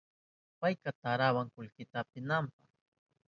Payka tarawan kullkita apinanpa.